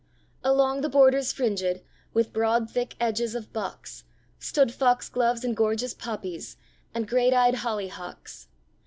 Along the borders fringéd With broad thick edges of box, Stood fox gloves and gorgeous poppies, And great eyed hollyhocks.